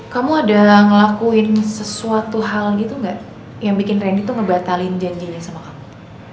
kamu ada ngelakuin sesuatu hal gitu nggak yang bikin randy tuh ngebatalin janjinya sama kamu